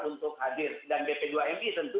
untuk hadir dan bp dua mi tentu